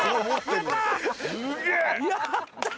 やったー！